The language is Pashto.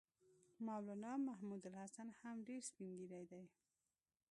مولنا محمودالحسن هم ډېر سپین ږیری دی.